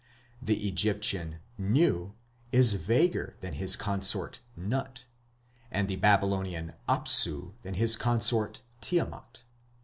The Egyptian Nu is vaguer than his consort Nut, and the Babylonian Apsu than his consort Tiamat.